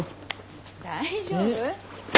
大丈夫？